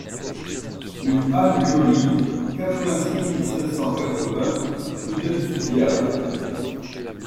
Rue Anne Jolly, quatre-vingt-six mille cinq cent quatre-vingts Vouneuil-sous-Biard